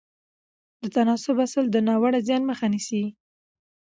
د تناسب اصل د ناوړه زیان مخه نیسي.